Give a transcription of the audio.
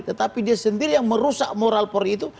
tetapi dia sendiri yang merusak moral polri itu